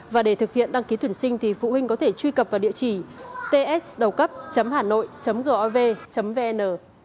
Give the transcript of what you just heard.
và để thực hiện đăng ký tuyển sinh thì phụ huynh có thể truy cập vào địa chỉ ts đầucop hanoi gov vn